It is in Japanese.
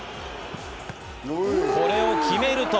これを決めると。